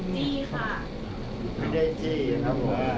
ไม่ได้จี้นะ